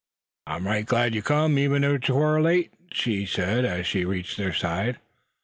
"I'm right glad yuh kim, even if 'twar late," she said, as she reached their side.